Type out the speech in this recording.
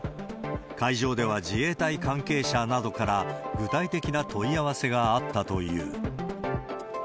会場では自衛隊関係者などから具体的な問い合わせがあったという。